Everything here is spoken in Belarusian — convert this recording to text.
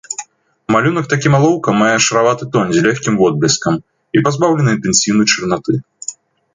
Малюнак такім алоўкам мае шараваты тон з лёгкім водбліскам і пазбаўлены інтэнсіўнай чарнаты.